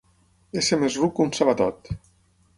Ésser més ruc que un sabatot.